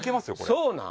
そうなん？